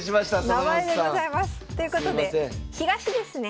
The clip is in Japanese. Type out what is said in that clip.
名前でございます。ということで東ですね。